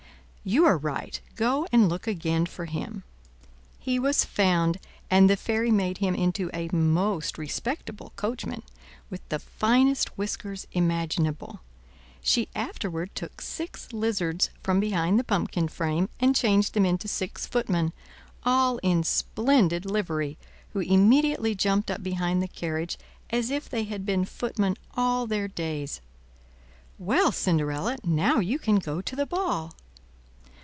"You are right; go and look again for him." He was found; and the fairy made him into a most respectable coachman, with the finest whiskers imaginable. She afterward took six lizards from behind the pumpkin frame, and changed them into six footmen, all in splendid livery, who immediately jumped up behind the carriage, as if they had been footmen all their days. "Well, Cinderella, now you can go to the ball."